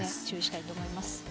注意したいと思います。